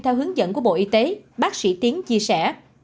theo hướng dẫn của bộ y tế bác sĩ tiến chia sẻ